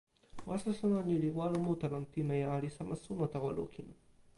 waso sona ni li walo mute lon pimeja li sama suno tawa lukin.